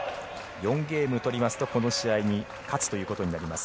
４ゲーム取りますとこの試合に勝つということになります。